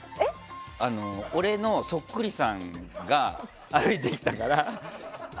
俺のそっくりさんが歩いてきたからって。